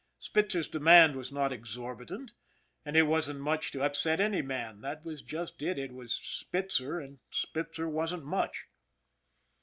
Spitzer's demand was not exorbitant, and it wasn't much to upset any man that was just it it was Spitzer, and Spitzer wasn't much.